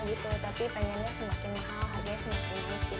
tapi pengiriman dapatnya semakin mahal harganya semakin tinggi